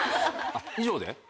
以上で？